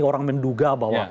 orang menduga bahwa